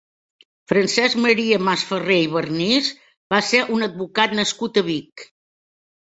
Francesc Maria Masferrer i Vernis va ser un advocat nascut a Vic.